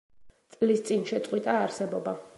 წლის წინ შეწყვიტა არსებობა.